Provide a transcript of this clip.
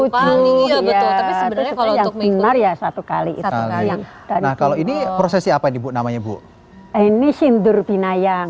untuk mengingat ya satu kali itu yang kalau ini prosesi apa dibuat namanya bu ini sindur binayang